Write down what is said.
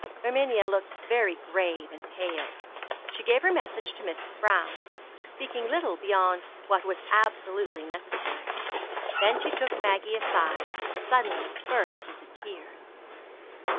Erminia looked very grave and pale. She gave her message to Mrs. Browne, speaking little beyond what was absolutely necessary. Then she took Maggie aside, and suddenly burst into tears.